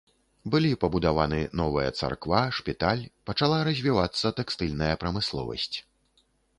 Былі пабудаваны новая царква, шпіталь, пачала развівацца тэкстыльная прамысловасць.